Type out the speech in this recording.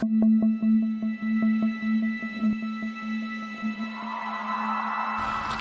หมอไก่สังเกตเห็นนะคะว่าชาวบ้านแถวนี้ค่ะ